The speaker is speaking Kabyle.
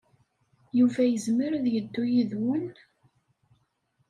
Yuba yezmer ad yeddu yid-wen?